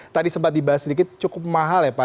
tadi sempat dibahas sedikit cukup mahal ya pak